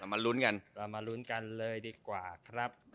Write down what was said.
มาทรุ้นกันเลยดีกว่าครับ